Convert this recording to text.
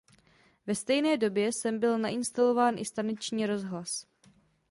Ve stejné době sem byl nainstalován i staniční rozhlas.